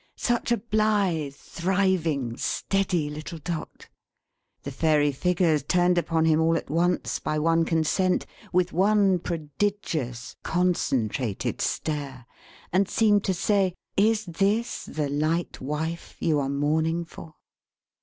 Such a blithe, thriving, steady little Dot! The fairy figures turned upon him all at once, by one consent, with one prodigious concentrated stare; and seemed to say "Is this the light wife you are mourning for!"